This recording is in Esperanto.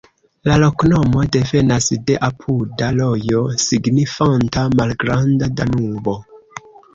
La loknomo devenas de apuda rojo signifanta "Malgranda Danubo".